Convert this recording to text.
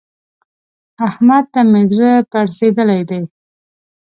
احمد ته مې زړه پړسېدلی دی.